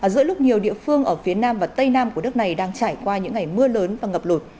giữa lúc nhiều địa phương ở phía nam và tây nam của đất này đang trải qua những ngày mưa lớn và ngập lụt